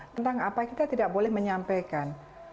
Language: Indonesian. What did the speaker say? tentang apa kita tidak boleh menyampaikan